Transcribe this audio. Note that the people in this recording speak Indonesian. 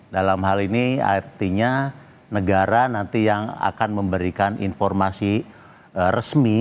dalam hal ini artinya negara nanti yang akan memberikan informasi resmi